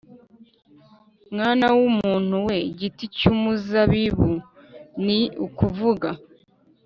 mwana w umuntu we igiti cy umuzabibu g ni ukuvuga